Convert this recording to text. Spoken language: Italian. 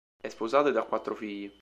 È sposato ed ha quattro figli.